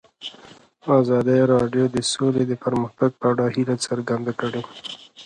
ازادي راډیو د سوله د پرمختګ په اړه هیله څرګنده کړې.